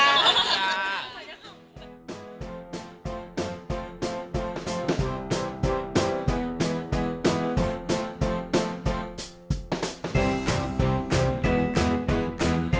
มีความสุขในที่ที่เราอยู่ในช่องนี้ก็คือความสุขในที่ที่เราอยู่ในช่องนี้